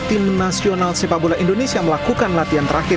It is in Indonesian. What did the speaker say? tim nasional sepak bola indonesia melakukan latihan terakhir